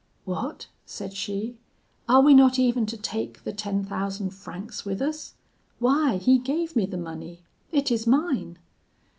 "'What,' said she, 'are we not even to take the ten thousand francs with us? Why, he gave me the money; it is mine.'